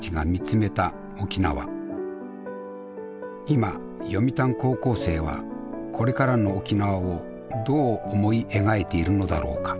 今読谷高校生はこれからの沖縄をどう思い描いているのだろうか。